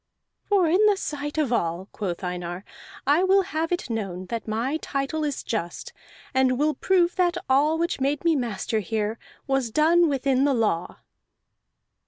"For in the sight of all," quoth Einar, "I will have it known that my title is just, and will prove that all which made me master here was done within the law."